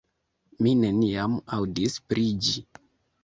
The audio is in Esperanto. Mi neniam aŭdis pri ĝi!